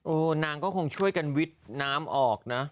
นางก็คงช่วยกันวิทย์น้ำออกนะ